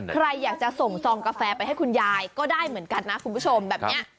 ใครอยากจะส่งซองกาแฟไปให้คุณยายก็ได้เหมือนกันนะคุณผู้ชมแบบนี้